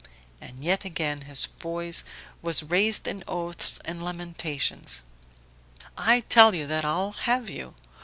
And yet again his voice was raised in oaths and lamentations: "I tell you that I'll have you